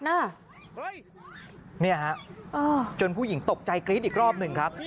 นี่ฮะจนผู้หญิงตกใจกรี๊ดอีกรอบหนึ่งครับ